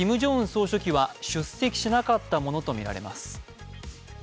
総書記は、出席しなかったものとみられます。